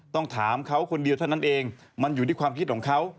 ต้องถามเขาคนเดียวเท่านั้นเองมันอยู่ที่ความคิดของเขา